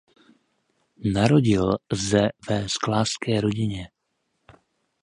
Narodil ze ve sklářské rodině.